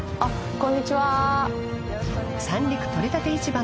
こんにちは